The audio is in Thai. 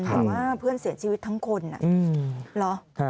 แต่ว่าเพื่อนเสียชีวิตทั้งคนเหรอ